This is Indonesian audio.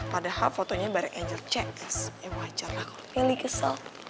padahal fotonya bareng angel c ya wajar lah kalo meli kesel